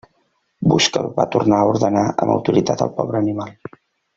Busca'l! –va tornar a ordenar amb autoritat al pobre animal.